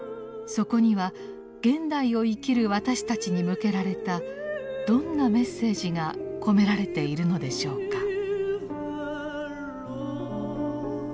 そこには現代を生きる私たちに向けられたどんなメッセージが込められているのでしょうか。